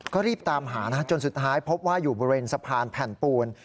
ก็รีบตามหานะจนสุดท้ายพบว่าอยู่บริเวณสะพานแผ่นปูน